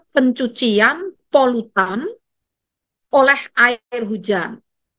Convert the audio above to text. pencucian polutan oleh air hujan